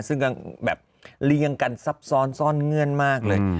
ซึ่งก็แบบเรียงกันซับซ้อนซ่อนเงื่อนมากเลย